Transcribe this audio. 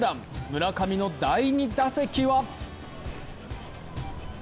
村上の第２打席は？